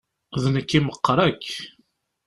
D nekk i meqqer akk.